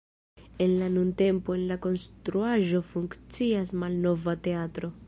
En la nuntempo en la konstruaĵo funkcias Malnova Teatro.